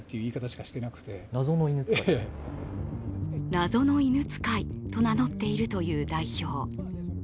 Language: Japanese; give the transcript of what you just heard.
謎の犬つかいと名乗っているという代表。